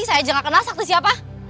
saya juga gak kenal sakti siapa